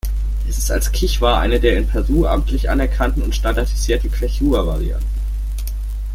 Es ist als Kichwa eine der in Peru amtlich anerkannten und standardisierten Quechua-Varianten.